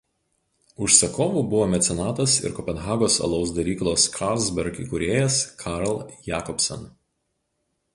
Užsakovu buvo mecenatas ir Kopenhagos alaus daryklos Carlsberg įkūrėjas Carl Jacobsen.